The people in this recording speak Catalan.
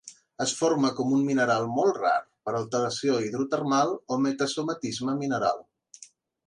Es forma com un mineral molt rar per alteració hidrotermal o metasomatisme mineral.